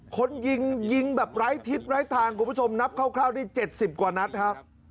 คนยิงยิงแบบไร้ทิศไร้ทางคุณผู้ชมนับคร่าวได้๗๐กว่านัดครับ